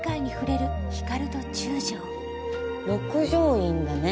六条院だね。